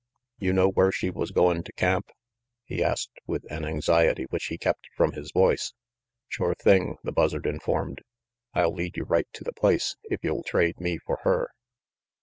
"You know where she was goin' to camp?" he asked with an anxiety which he kept from his voice. "Sure thing," the Buzzard informed. "I'll lead you right to the place, if you'll trade me for her."